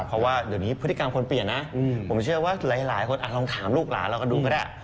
เพราะว่าเดี๋ยวนี้พฤติกรรมคนเปลี่ยนนะผมเชื่อว่าหลายคนอาจลองถามลูกหลานเราก็ดูก็ได้